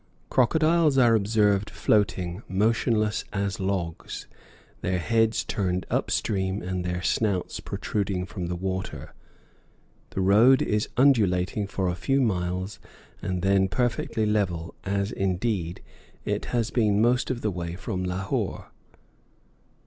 Crocodiles are observed floating, motionless as logs, their heads turned up stream and their snouts protruding from the water. The road is undulating for a few miles and then perfectly level, as, indeed, it has been most of the way from Lahore.